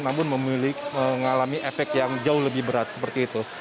namun mengalami efek yang jauh lebih berat seperti itu